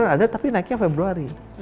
ada tapi naiknya februari